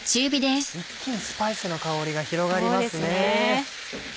一気にスパイスの香りが広がりますね。